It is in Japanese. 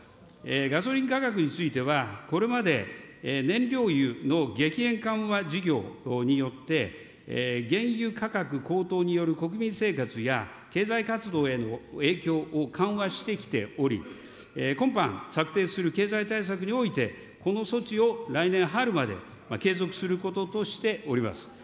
ガソリン価格については、これまで燃料油の激変緩和事業によって、原油価格高騰による国民生活や経済活動への影響を緩和してきており、今般、策定する経済対策においてこの措置を来年春まで継続することとしております。